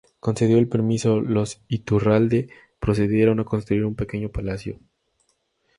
Concedido el permiso, los Iturralde procedieron a construir un pequeño palacio.